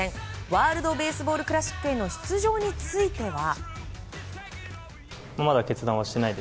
ワールド・ベースボール・クラシックへの出場については。